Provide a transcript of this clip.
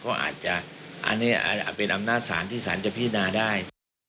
ก็อาจจะเป็นอำนาจศาลที่ศาลจะพิจารณาได้